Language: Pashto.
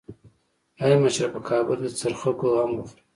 ای مشره په کابل کې د څرخکو غم وخوره.